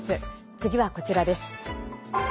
次はこちらです。